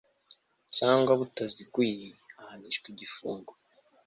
cyangwa butaziguye ahanishwa igifungo